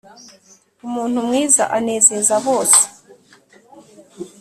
umuntu mwiza anezeza bose